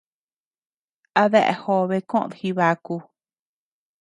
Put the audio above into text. A déa jobe koʼod jibaku.